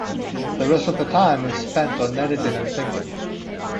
The rest of the time is spent on editing and thinking.